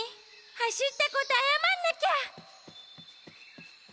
はしったことあやまんなきゃ！